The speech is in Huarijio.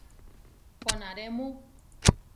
¿Konáremu?